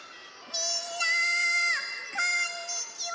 みんなこんにちは！